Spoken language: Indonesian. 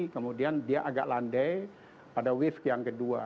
kemudian dia agak landai pada wave yang kedua